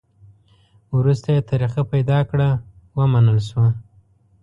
وروسته یې طریقه پیدا کړه؛ ومنل شوه.